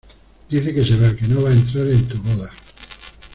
dice que se va, que no va a entrar en tu boda.